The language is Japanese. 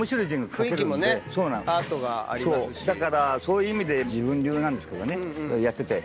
だからそういう意味で自分流なんですけどねやってて。